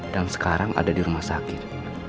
dan sekarang ada di rumah sakit